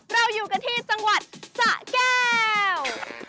เราอยู่กันที่จังหวัดสะแก้ว